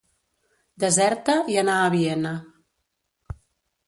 Deserta i anà a Viena.